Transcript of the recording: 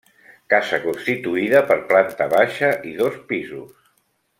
Casa constituïda per planta baixa i dos pisos.